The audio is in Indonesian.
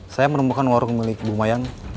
saya menemukan warung milik bu mayan